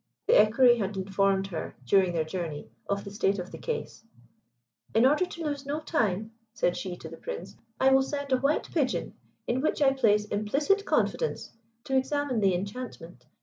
The Equerry had informed her during their journey of the state of the case. "In order to lose no time," said she to the Prince, "I will send a white pigeon, in which I place implicit confidence, to examine the enchantment.